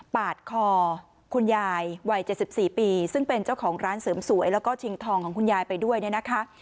ปาดคอคุณยายวัย๗๔ปีซึ่งเป็นเจ้าของร้านเสริมสวยแล้วก็ชิงทองของคุณยายไปด้วยเนี่ยนะคะ